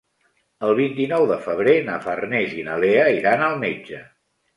El vint-i-nou de febrer na Farners i na Lea iran al metge.